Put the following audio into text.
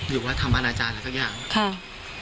อยู่ว่าทำอะไรจานหรือทุกอย่าง